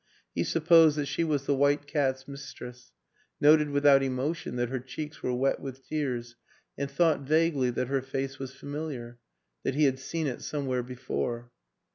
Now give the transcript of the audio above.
... He supposed that she was the white cat's mis tress, noted without emotion that her cheeks were wet with tears and thought vaguely that her face was familiar, that he had seen it somewhere be fore.